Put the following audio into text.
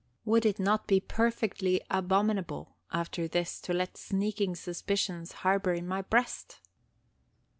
Would it not be perfectly abominable after this to let sneaking suspicions harbor in my breast?